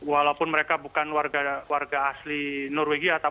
walaupun mereka bukan warga asli norwegia